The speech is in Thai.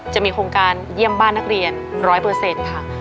จะมีโครงการเยี่ยมบ้านนักเรียน๑๐๐ค่ะ